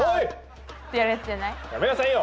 やめなさいよ！